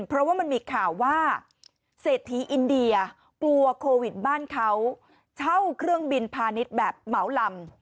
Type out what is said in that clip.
เพราะว่ามันมีข่าวว่าเศรษฐีอินเดียกลัวโควิดบ้านเขาเช่าเครื่องบินพาณิชย์แบบเหมาลำ